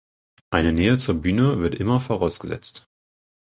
Eine Nähe zur Bühne wird immer vorausgesetzt.